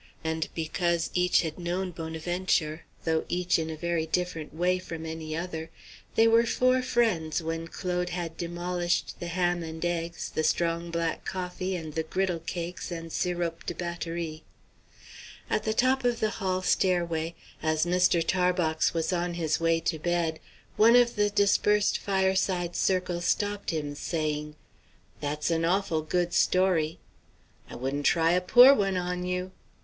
And because each had known Bonaventure, though each in a very different way from any other, they were four friends when Claude had demolished the ham and eggs, the strong black coffee, and the griddle cakes and sirop de batterie. At the top of the hall stairway, as Mr. Tarbox was on his way to bed, one of the dispersed fireside circle stopped him, saying: "That's an awful good story!" "I wouldn't try a poor one on you."